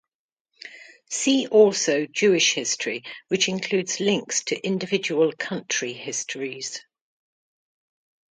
See also Jewish history which includes links to individual country histories.